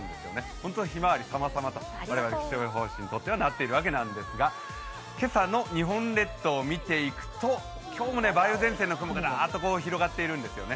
本当はひまわり様々と我々、気象予報士にとってはなっているんですが、今朝の日本列島を見ていくと今日も梅雨前線の雲がだーっと広がっているんですよね。